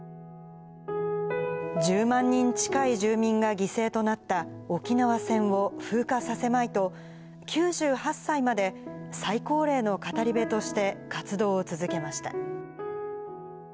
１０万人近い住民が犠牲となった沖縄戦を風化させまいと、９８歳まで最高齢の語り部として、活動を続けました。